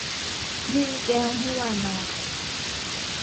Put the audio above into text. ยื่นแก้วให้วานร